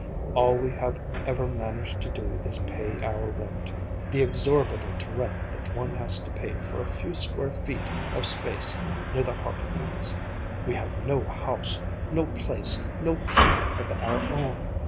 All we have ever managed to do is to pay our rent, the exorbitant rent that one has to pay for a few square feet of space near the heart of things. We have no house, no place, no people of our own.